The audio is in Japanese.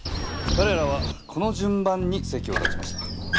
彼らはこの順番に席を立ちました。